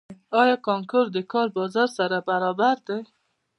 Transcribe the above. آیا کانکور د کار بازار سره برابر دی؟